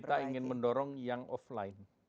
kita ingin mendorong yang offline